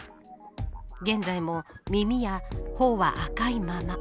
現在も耳や頬は赤いまま。